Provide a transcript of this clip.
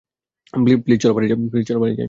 Please, চলো বাড়ি যাই।